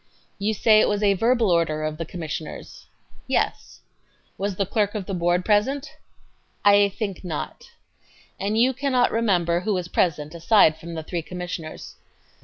Q. You say it was a verbal order of the Commissioners? A. Yes. Q. Was the clerk of the Board present? A. I think not. Q. And you cannot remember who was present aside from the three Commissioners?